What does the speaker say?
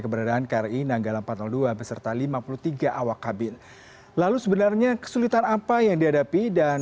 keberadaan kri nanggala empat ratus dua beserta lima puluh tiga awak kabin lalu sebenarnya kesulitan apa yang dihadapi dan